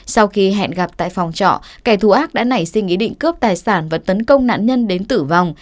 sau khi hẹn gặp tại phòng trọ kẻ thù ác đã nảy sinh ý định cướp tài sản và tấn công nạn nhân đến tử vong